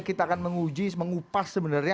kita akan menguji mengupas sebenarnya